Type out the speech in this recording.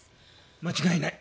間違いない。